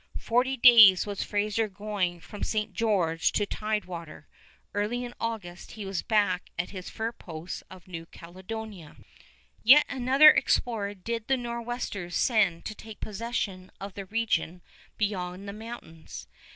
Forty days was Fraser going from St. George to tide water. Early in August he was back at his fur posts of New Caledonia. [Illustration: ASTORIA IN 1813] Yet another explorer did the Nor'westers send to take possession of the region beyond the mountains.